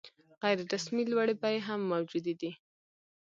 غیر رسمي لوړې بیې هم موجودې دي.